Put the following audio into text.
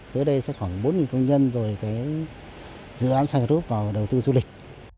tới đây sẽ khoảng bốn công nhân rồi dự án sai group vào đầu tư du lịch